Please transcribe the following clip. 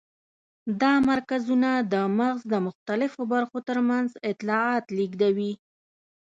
دا مرکزونه د مغز د مختلفو برخو تر منځ اطلاعات لېږدوي.